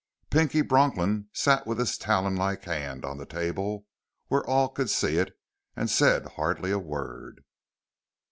Pinky Bronklin sat with his talonlike hand on the table where all could see it and said hardly a word.